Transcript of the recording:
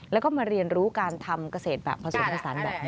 แล้วก็มาเรียนรู้การทำเกษตรแบบผสมผสานแบบนี้